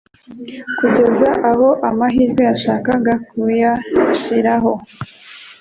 kugeza aho amahirwe yashakaga kuyashiraho